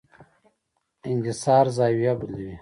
انکسار زاویه بدلوي.